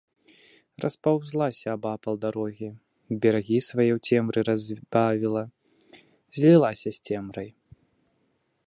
Распаўзлася абапал дарогі, берагі свае ў цемры разбавіла, злілася з цемрай.